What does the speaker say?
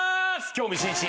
興味津々。